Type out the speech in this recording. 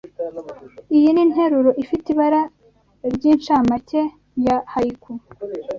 Iyi ninteruro, ifite ibara ryincamake, ya haiku.